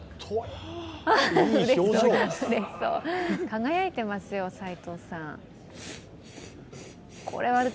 輝いてますよ、齋藤さん。